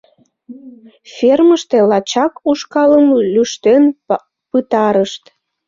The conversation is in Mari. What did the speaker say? Фермыште лачак ушкалым лӱштен пытарышт.